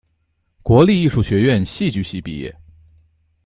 国立艺术学院戏剧系毕业。